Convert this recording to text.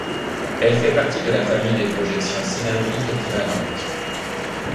Elle fait partie de la famille des projections cylindriques équivalentes.